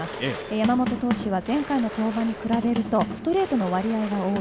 山本投手は前回の登板に比べるとストレートの割合が多い。